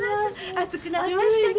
暑くなりましたけどね。